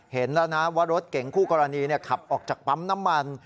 เห็นแล้วนะว่ารถเก่งคู่กรณีขับออกจากปั๊มน้ำมัน